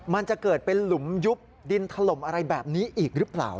มันจะเกิดเป็นหลุมยุบดินถล่มอะไรแบบนี้อีกหรือเปล่า